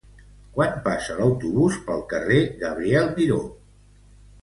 Quan passa l'autobús pel carrer Gabriel Miró?